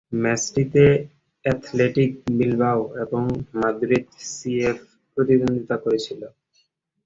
ম্যাচটিতে Athletic Bilbao এবং Madrid CF প্রতিদ্বন্দ্বিতা করেছিল।